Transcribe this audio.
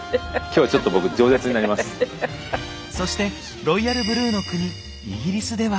そしてロイヤルブルーの国イギリスでは。